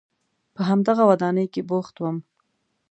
په همدغه ودانۍ کې بوخت وم.